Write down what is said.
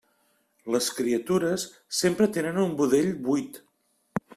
Les criatures sempre tenen un budell buit.